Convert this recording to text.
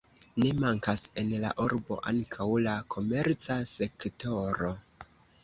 Ne mankas en la urbo ankaŭ la komerca sektoro.